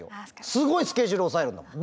すごいスケジュール押さえるんだもん。